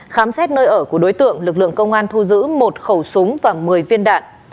khám xét nơi ở của đối tượng lực lượng công an thu giữ một khẩu súng và một mươi viên đạn